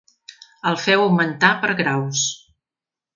El feu augmentar per graus.